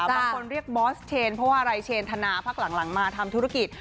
บางคนเรียกบอสเชนเพราะว่าอะไรเชนธนาพักหลังมาทำธุรกิจ